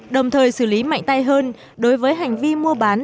đồng thời xử lý mạnh tay hơn đối với hành vi mua bán